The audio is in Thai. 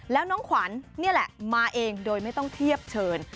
แล้วน้องขวัญนี่แหละมาเองโดยไม่ต้องเทียบเชิญ